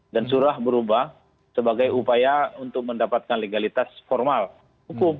dan surah berubah sebagai upaya untuk mendapatkan legalitas formal hukum